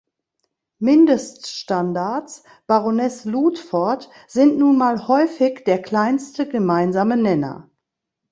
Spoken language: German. Mindeststandards, Baroness Ludford, sind nun mal häufig der kleinste gemeinsame Nenner.